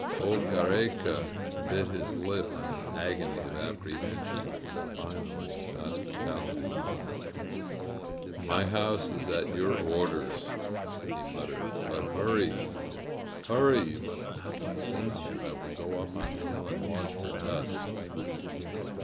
Old Giiereca bit his lip in an agony of apprehension. Finally hospitality won. "My house is at your orders," he muttered. "But hurry ! Hurry ! You must not be seen here ! I will go up on the hill and watch for dust